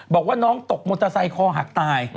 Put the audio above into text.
บอกว่าน้องตกมอเตอร์ไซค์คอหักตาย